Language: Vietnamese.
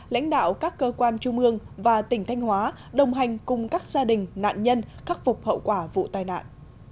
lãnh đạo các cơ quan trung ương và tỉnh thanh hóa đồng hành cùng các gia đình nạn nhân khắc phục hậu quả vụ tai nạn